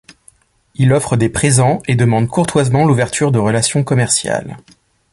Il offre des présents et demande courtoisement l'ouverture de relations commerciales.